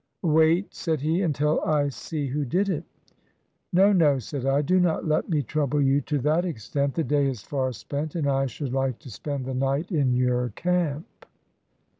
"Wait," said he, "until I see who did it." "No, no," said I, "do not let me trouble you to that extent; the day is far spent, and I should like to spend the night in your camp."